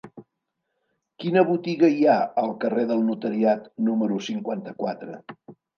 Quina botiga hi ha al carrer del Notariat número cinquanta-quatre?